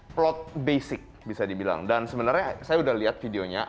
plot basic bisa dibilang dan sebenarnya saya sudah lihat videonya